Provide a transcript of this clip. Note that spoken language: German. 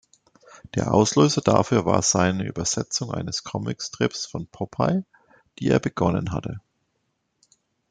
Der Auslöser dafür war seine Übersetzung eines Comic-Strips von "Popeye", die er begonnen hatte.